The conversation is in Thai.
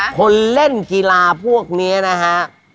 คนเล่นกีฬาพวกนี้นะฮะ